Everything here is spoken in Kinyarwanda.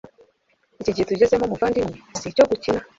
iki gihe tugezemo, muvandimwe sicyo gukina